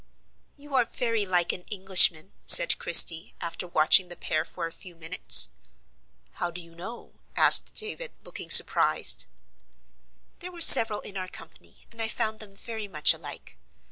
"You are very like an Englishman," said Christie, after watching the pair for a few minutes. "How do you know?" asked David, looking surprised. "There were several in our company, and I found them very much alike.